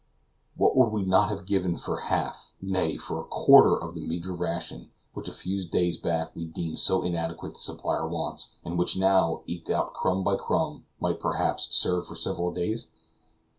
What would we not have given for half, nay, for a quarter of the meager ration which a few days back we deemed so inadequate to supply our wants, and which now, eked out crumb by crumb, might, perhaps, serve for several days?